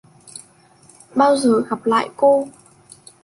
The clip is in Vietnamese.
Bao giờ gặp lại cô?!